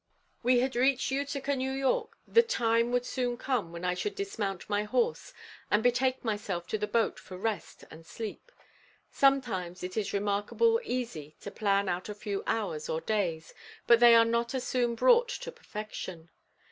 We had reached Utica, N. Y. The time would soon come when I should dismount my horse to betake myself to the boat for rest and sleep. Sometimes it is remarkable easy to plan out a few hours or days, but they are not as soon brought to perfection.